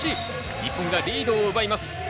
日本がリードを奪います。